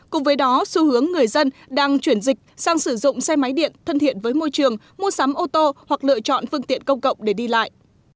cùng với đó xu hướng người dân đang chuyển dịch sang sử dụng xe máy điện thân thiện với môi trường mua sắm ô tô hoặc lựa chọn phương tiện công cộng để đi lại